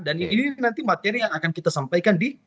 dan ini nanti materi yang akan kita sampaikan di